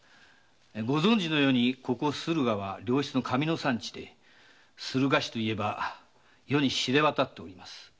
ご存じのように駿河は良質の紙の産地で駿河紙といえば世に知れ渡っております。